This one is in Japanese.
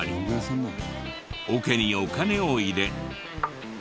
おけにお金を入れ。